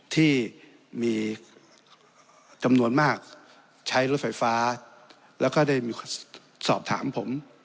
ที่มีจำนวนมากใช้รถไฟฟ้าแล้วก็ได้มีสอบถามผม